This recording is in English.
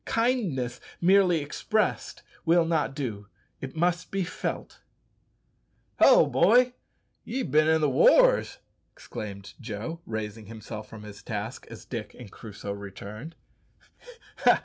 Kindness merely expressed will not do, it must be felt. "Hallo, boy, ye've bin i' the wars!" exclaimed Joe, raising himself from his task as Dick and Crusoe returned.